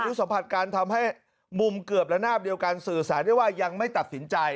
สัมผัสการทำให้มุมเกือบระนาบเดียวกันสื่อสารได้ว่ายังไม่ตัดสินใจ